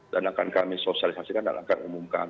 dan akan kami sosialisasikan dan akan umumkan